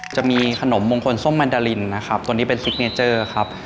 จะมีขนมมงคลส้มมันดารินนะครับตัวนี้เป็นซิกเนเจอร์ครับ